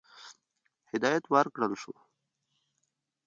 هدایت ورکړه شو.